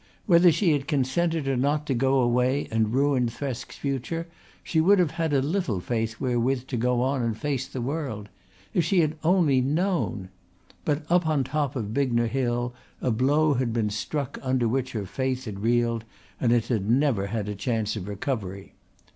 Whether she had consented or not to go away and ruin Thresk's future she would have had a little faith wherewith to go on and face the world. If she had only known! But up on the top of Bignor Hill a blow had been struck under which her faith had reeled and it had never had a chance of recovery.